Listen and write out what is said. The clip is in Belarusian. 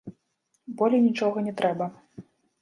Болей нічога не трэба.